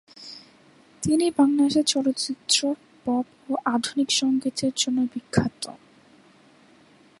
তিনি বাংলাদেশে চলচ্চিত্র, পপ ও আধুনিক সঙ্গীতের জন্য বিখ্যাত।